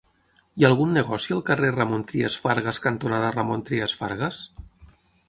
Hi ha algun negoci al carrer Ramon Trias Fargas cantonada Ramon Trias Fargas?